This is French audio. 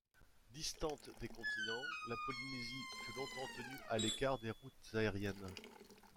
Distante des continents, la Polynésie fut longtemps tenue à l’écart des routes aériennes.